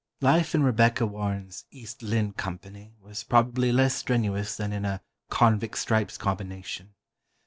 Life in Rebecca Warren's "East Lynne" Company was probably less strenuous than in a "Convict Stripes" combination.